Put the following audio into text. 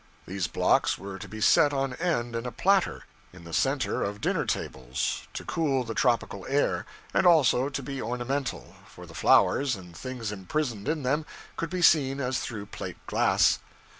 These blocks were to be set on end in a platter, in the center of dinner tables, to cool the tropical air; and also to be ornamental, for the flowers and things imprisoned in them could be seen as through plate glass.